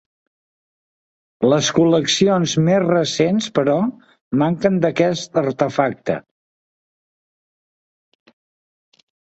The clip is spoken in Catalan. Les col·leccions més recents, però, manquen d'aquest artefacte.